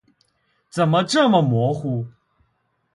怎么这么模糊？